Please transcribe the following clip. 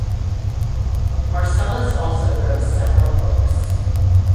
Marcellus also wrote several books.